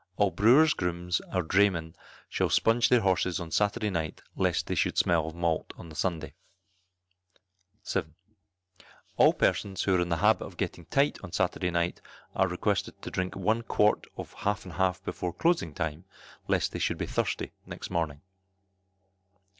All brewers' grooms, or draymen, shall sponge their horses on Saturday night, lest they should smell of malt on the Sunday. 7. All persons who are in the habit of getting tight on Saturday night, are requested to drink one quart of half and half before closing time, lest they should be thirsty next morning.